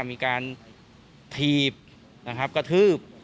มีการถีบกระทืบ